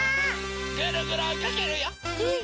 ぐるぐるおいかけるよ！